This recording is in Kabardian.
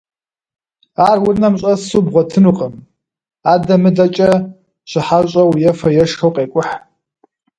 Ар унэм щӏэсу бгъуэтынукъым, адэмыдэкӏэ щыхьэщӏэу, ефэ-ешхэу къекӏухь.